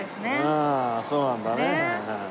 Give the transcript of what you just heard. ああそうなんだね。